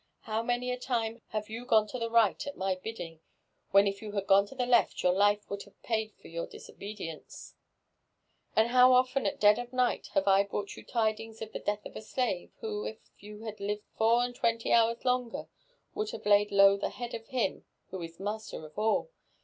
How many a time have you gone to the right at my bidding, when if you had gone to j})^ left, your life would jbave paid for your disobedieace 1 And how often at dead of night have I brought you tidings of the death of a slave, who if he had lived four* and twenty hours longer, would have laid low the head of him who is Blaster of i^ll